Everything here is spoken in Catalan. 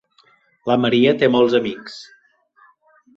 La Maria té molts amics.